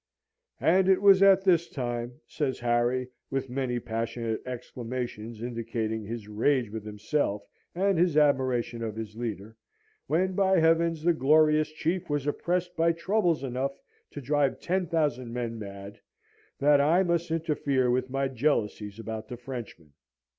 "And it was at this time," says Harry (with many passionate exclamations indicating his rage with himself and his admiration of his leader), "when, by heavens, the glorious Chief was oppressed by troubles enough to drive ten thousand men mad that I must interfere with my jealousies about the Frenchman!